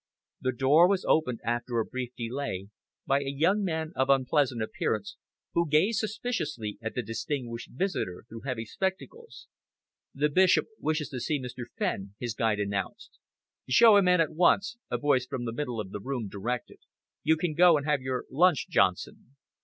The door was opened, after a brief delay, by a young man of unpleasant appearance, who gazed suspiciously at the distinguished visitor through heavy spectacles. "The Bishop wishes to see Mr. Fenn," his guide announced. "Show him in at once," a voice from the middle of the room directed. "You can go and have your lunch, Johnson."